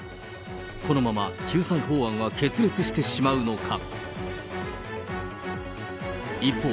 このまま救済法案は決裂してしまうのか。